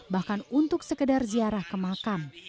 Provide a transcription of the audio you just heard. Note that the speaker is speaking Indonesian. bahkan untuk sekedar ziarah ke makam